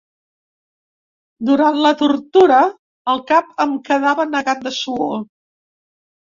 Durant la tortura el cap em quedava negat de suor.